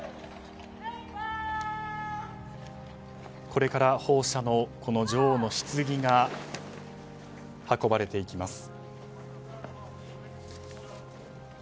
これから砲車の女王のひつぎが運ばれていきます。